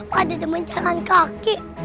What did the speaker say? waduh demen jalan kaki